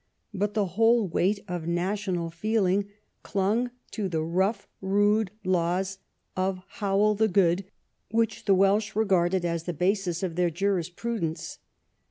But the whole weight of national feeling clung to the rough rude laws of Howel the Good, which the Welsh regarded as the basis of their jurisprudence.